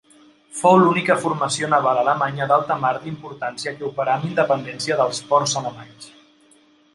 Fou l'única formació naval alemanya d'alta mar d'importància que operà amb independència dels ports alemanys.